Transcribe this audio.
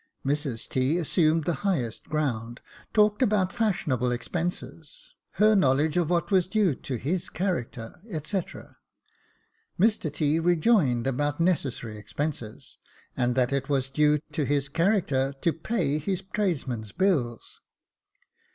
Mrs T. assumed the highest ground, talked about fashionable expenses, her knowledge of what was due to his character, &c. Mr T. rejoined about necessary expenses, and that it was due to his character to pay his tradesmen's bills.